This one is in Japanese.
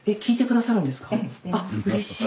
あうれしい。